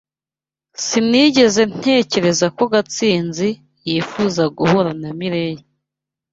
Sinigeze ntekereza ko Gatsinzi yifuza guhura na Mirelle.